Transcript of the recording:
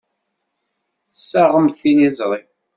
Tessaɣemt tiliẓri.